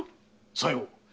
さよう！